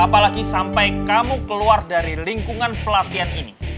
apalagi sampai kamu keluar dari lingkungan pelatihan ini